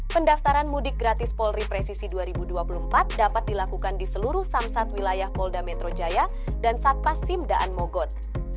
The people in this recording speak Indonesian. pendaftaran mudik gratis polri presisi dua ribu dua puluh empat dapat dilakukan di seluruh samsat wilayah polda metro jaya dan satpas simdaan mogot